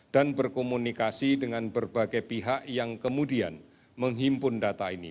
berkomunikasi dengan berbagai pihak yang kemudian menghimpun data ini